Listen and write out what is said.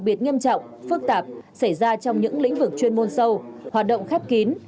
biệt nghiêm trọng phức tạp xảy ra trong những lĩnh vực chuyên môn sâu hoạt động khép kín